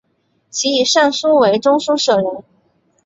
其以善书为中书舍人。